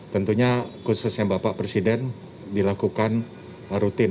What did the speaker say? tentunya khususnya bapak presiden dilakukan rutin